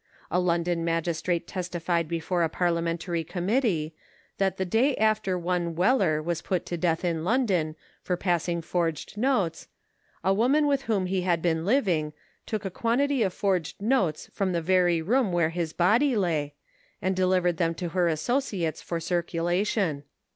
A London magistrate testified before a parliamentary committee, that the day after one Wheller was put to death in London for passing forged notes, a woman with whom he had been living, took a quantity of forged notes from the very room where his body lay, and delivered them to her associates for circulation.